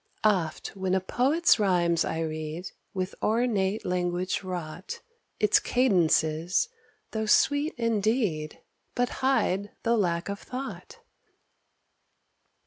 Oft when a poet's rhymes I read, With ornate language wrought, Its cadences, though sweet indeed, But hide the lack of thought.